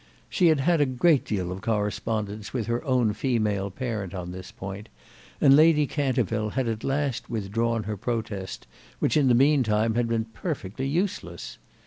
She had had a great deal of correspondence with her own female parent on this point, and Lady Canterville had at last withdrawn her protest, which in the meantime had been perfectly useless.